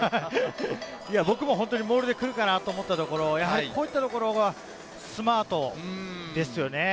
僕も本当にモールでくるかなと思ったところ、こういったところがスマートですよね。